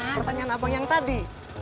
pertanyaan abang yang tadi